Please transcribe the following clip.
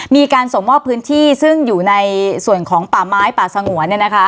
มีการส่งมอบพื้นที่ซึ่งอยู่ในส่วนของป่าไม้ป่าสงวน